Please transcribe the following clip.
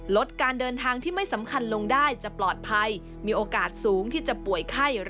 ลดการเดินทางที่ไม่สำคัญลงได้จะปลอดภัยมีโอกาสสูงที่จะป่วยไข้